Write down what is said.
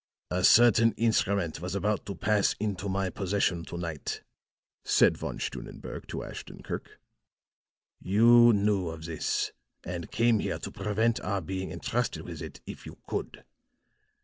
"A certain instrument was about to pass into my possession to night," said Von Stunnenberg to Ashton Kirk. "You knew of this and came here to prevent our being entrusted with it if you could.